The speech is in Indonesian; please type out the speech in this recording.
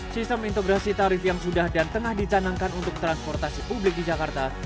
sistem integrasi tarif yang sudah dan tengah dicanangkan untuk transportasi publik di jakarta